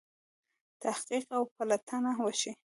تحقیق او پلټنه وشي.